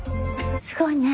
すごいね。